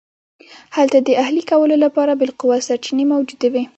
هلته د اهلي کولو لپاره بالقوه سرچینې موجودې وې